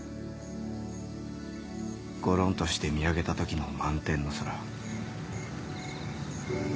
ごろんとして見上げた時の満天の空。